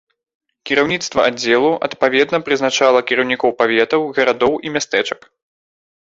Кіраўніцтва аддзелу адпаведна прызначала кіраўнікоў паветаў, гарадоў і мястэчак.